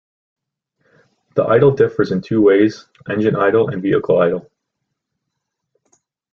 The idle differs in two ways engine idle and vehicle idle.